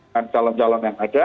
dan calon calon yang ada